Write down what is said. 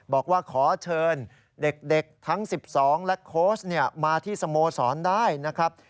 บอกว่าขอเชิญเด็กทั้ง๑๒และโค้ชมาที่สโมสรได้นะครับ